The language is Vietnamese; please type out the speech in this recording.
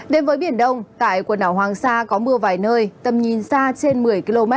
đến với biển đông tại quần đảo hoàng sa có mưa vài nơi tầm nhìn xa trên một mươi km